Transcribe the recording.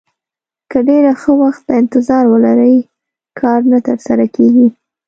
که ډېر ښه وخت ته انتظار ولرئ کار نه ترسره کېږي.